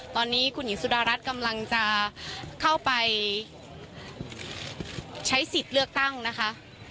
ตอนนี้คุณหญิงสุดารัฐกำลังจะเข้าไปใช้สิทธิ์เลือกตั้งนะคะ